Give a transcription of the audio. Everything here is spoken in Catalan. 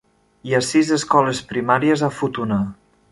Hi ha sis escoles primàries a Futuna.